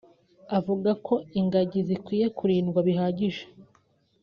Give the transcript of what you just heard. Avuga ko ingagi zikwiye kurindwa bihagije